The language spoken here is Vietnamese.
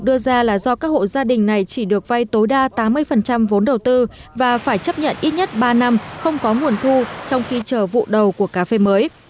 điều ra là do các hộ gia đình này chỉ được vay tối đa tám mươi vốn đầu tư và phải chấp nhận ít nhất ba năm không có nguồn thu trong khi chờ vụ đầu của cà phê mới